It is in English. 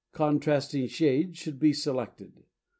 Contrasting shades should be selected.